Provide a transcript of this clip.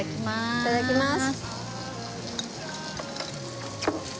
いただきます。